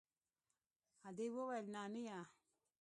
ادې وويل نانيه.